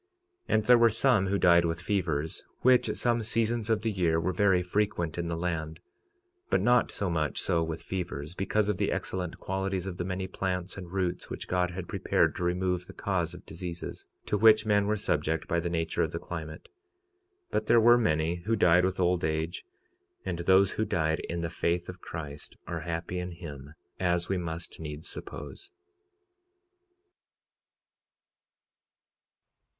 46:40 And there were some who died with fevers, which at some seasons of the year were very frequent in the land—but not so much so with fevers, because of the excellent qualities of the many plants and roots which God had prepared to remove the cause of diseases, to which men were subject by the nature of the climate— 46:41 But there were many who died with old age; and those who died in the faith of Christ are happy in him, as we must needs suppose.